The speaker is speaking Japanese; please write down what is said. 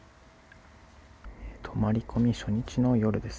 泊まり込み初日の夜です。